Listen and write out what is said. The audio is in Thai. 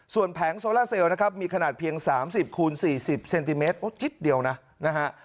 ส่วนแผงโซล่าเซลนะครับมีขนาดเพียง๓๐คูณ๔๐เซนติเมตรโอ้จิ๊ดเดียวนะนะฮะ